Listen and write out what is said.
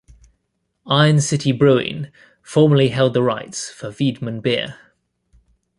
Iron City Brewing formerly held the rights for Wiedemann beer.